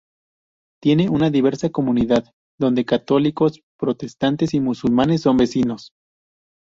Tiene una diversa comunidad, donde católicos, protestantes y musulmanes son vecinos.